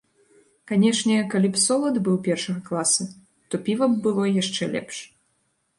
Канешне, калі б солад быў першага класа, то піва б было яшчэ лепш.